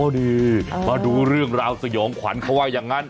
ดีมาดูเรื่องราวสยองขวัญเขาว่าอย่างนั้น